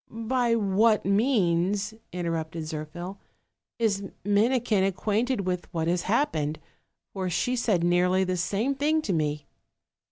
"By what means," interrupted Zirphil, "is Minikin acquainted with what has happened? for she said nearly the same thing to me."